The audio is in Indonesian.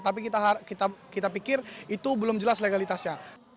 tapi kita pikir itu belum jelas legalitasnya